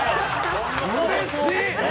うれしい！